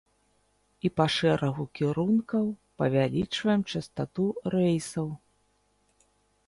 І па шэрагу кірункаў павялічваем частату рэйсаў.